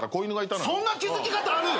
そんな気付き方ある！？